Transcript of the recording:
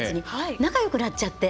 仲よくなっちゃって。